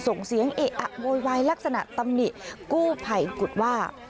ส่งเสียงเอะอะโวยวายลักษณะตำหนิกู้ภัยกุฎว่า